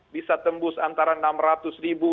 bisa tembus antara enam ratus ribu